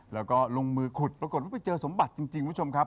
แล้วก็ลงมือขุดปรากฏว่าไปเจอสมบัติจริงคุณผู้ชมครับ